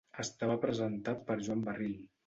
Estava presentat per Joan Barril.